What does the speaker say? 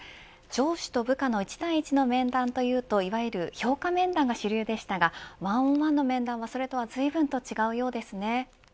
上司と部下の一対一の面談というといわゆる評価面談が主流でしたが１ｏｎ１の面談はそれとはずいぶん違うようですね。